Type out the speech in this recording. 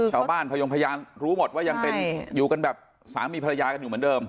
พยงพยานรู้หมดว่ายังเป็นอยู่กันแบบสามีภรรยากันอยู่เหมือนเดิม